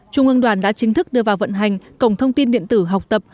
trung ương đoàn đã chính thức đưa vào vận hành cổng thông tin điện tử học tập